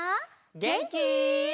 げんき？